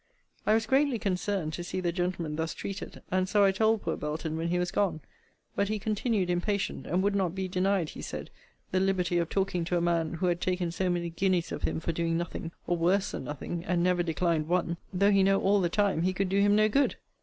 I was greatly concerned to see the gentleman thus treated; and so I told poor Belton when he was gone; but he continued impatient, and would not be denied, he said, the liberty of talking to a man, who had taken so many guineas of him for doing nothing, or worse than nothing, and never declined one, though he know all the time he could do him no good.